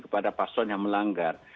kepada pak slon yang melanggar